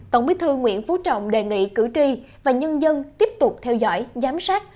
tổng bí thư nguyễn phú trọng đề nghị cử tri và nhân dân tiếp tục theo dõi giám sát